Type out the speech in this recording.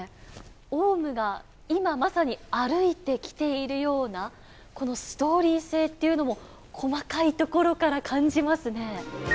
王蟲が今まさに歩いてきているような、このストーリー性というのも細かい所から感じますね。